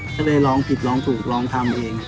ก็เลยร้องผิดลองถูกลองทำเอง